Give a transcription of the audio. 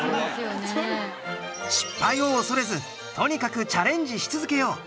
失敗を恐れずとにかくチャレンジし続けよう。